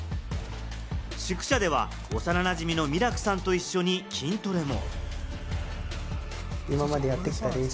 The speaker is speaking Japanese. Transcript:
宿舎では、幼なじみのミラクさんと一緒に筋トレも。